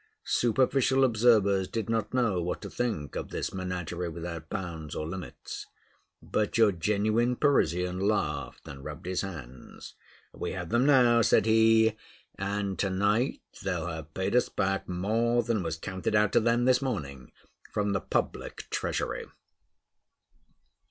Superficial observers did not know what to think of this menagerie without bounds or limits; but your genuine Parisian laughed and rubbed his hands. "We have them now!" said he; "and to night they'll have paid us back more than was counted out to them this morning from the public treasury!"